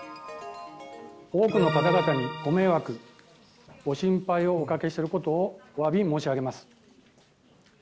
多くの方々にご迷惑、ご心配をおかけしていることをおわび申し上げます。